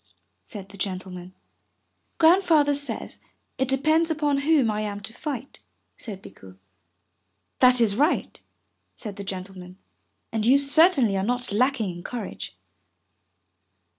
said the Gentleman. "Grandfather says it depends upon whom I am to fight," said Bikku. "That is right," said the gentleman, "and you certainly are not lacking in courage."